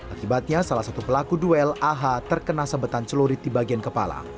akibatnya salah satu pelaku duel ah terkena sebetan celurit di bagian kepala